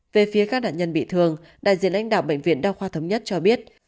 về phía các đạn nhân bị thương đại diện lãnh đạo bệnh viện đào khoa thống nhất cho biết